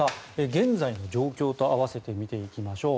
現在の状況と合わせて見ていきましょう。